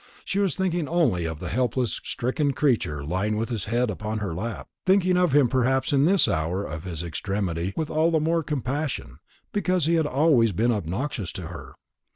She was thinking only of the helpless stricken creature lying with his head upon her lap; thinking of him perhaps in this hour of his extremity with all the more compassion, because he had always been obnoxious to her.